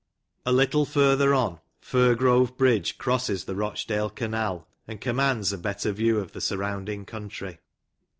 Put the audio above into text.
A little further on, Fir Grove bridge crosses the Rochdale canal, and commands a better view of the surrounding country.